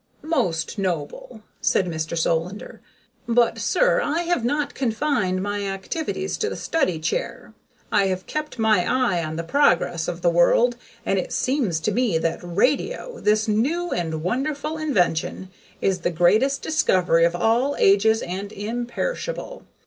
"Most noble," said Mr. Solander. "But, sir, I have not confined my activities to the study chair. I have kept my eye on the progress of the world. And it seems to me that radio, this new and wonderful invention, is the greatest discovery of all ages and imperishable.